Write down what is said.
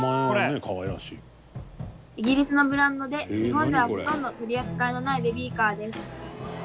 イギリスのブランドで日本ではほとんど取り扱いのないベビーカーです。